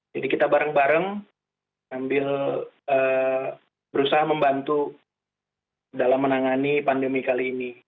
jadi kita bareng bareng sambil berusaha membantu dalam menangani pandemi kali ini